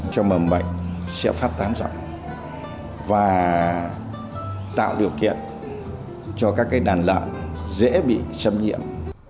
trong mầm bệnh sẽ phát tán rõ và tạo điều kiện cho các cái đàn lợn dễ bị châm nhiễm